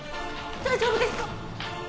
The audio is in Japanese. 大丈夫ですか？